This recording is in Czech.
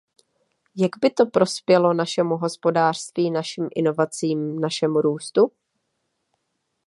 Jak by to prospělo našemu hospodářství, našim inovacím, našemu růstu?